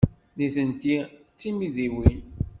Nitenti d timidiwin.